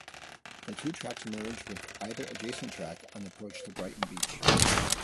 The two tracks merge with either adjacent track on approach to Brighton Beach.